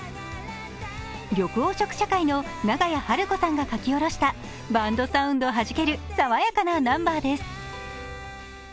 緑黄色社会の長屋晴子さんが書き下ろしたバンドサウンドはじける爽やかなナンバーです。